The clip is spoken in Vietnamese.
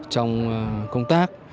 trong công tác